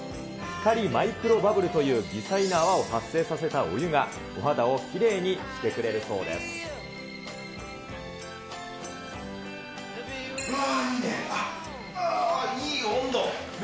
光マイクロバブルという微細な泡を発生させたお湯が、お肌をきれうわー、いいね。